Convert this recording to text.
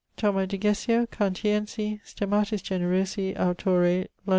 Thoma Diggesio, Cantiensi, stemmatis generosi, autore, Lond.